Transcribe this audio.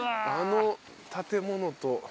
あの建物と。